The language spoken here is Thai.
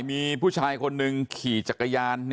มีผู้ชายคนหนึ่งขี่จักรยาน